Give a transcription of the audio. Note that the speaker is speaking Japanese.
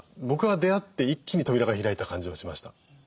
僕は出会って一気に扉が開いた感じがしました。